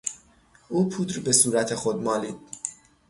او پودر به صورت خود مالید.